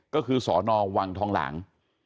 ก็คือสนวังทองหลาง